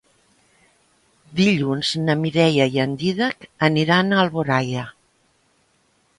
Dilluns na Mireia i en Dídac aniran a Alboraia.